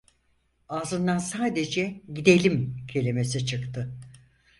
Ağzından sadece "Gidelim!" kelimesi çıktı.